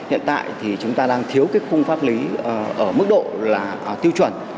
hiện tại thì chúng ta đang thiếu cái khung pháp lý ở mức độ là tiêu chuẩn